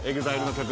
ＥＸＩＬＥの曲。